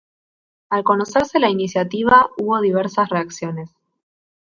Al conocerse la iniciativa, hubo diversas reacciones.